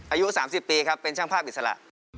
อายุ๓๐ปีครับเป็นช่างภาพอิสระ